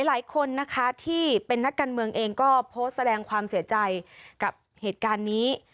หลายคนนะคะที่เป็นนักการเมืองเองก็โพสต์แสดงความเสียใจกับเหตุการณ์นี้